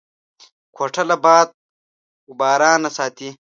کوټه له باد و بارانه ساتي.